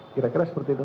kira kira seperti itu